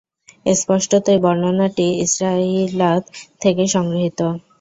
স্পষ্টতই বর্ণনাটি ইসরাঈলিয়াত থেকে সংগৃহীত।